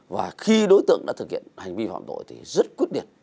và khi đối tượng đã thực hiện hành vi phạm tội thì rất quyết liệt